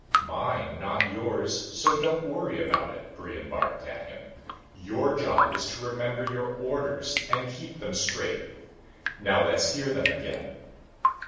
"Mine, not yours, so don't worry about it," Brion barked at him. "Your job is to remember your orders and keep them straight. Now let's hear them again."